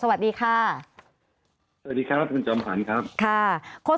สวัสดีครับทุกคน